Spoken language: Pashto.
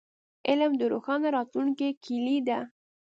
علم د روښانه راتلونکي کیلي ده.